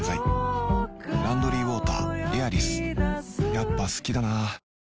やっぱ好きだな